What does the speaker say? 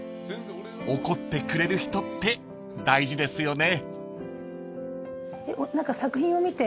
［怒ってくれる人って大事ですよね］